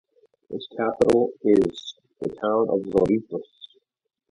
Its capital is the town of Zorritos.